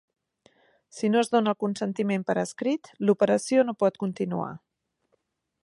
Si no es dona el consentiment per escrit, l'operació no pot continuar.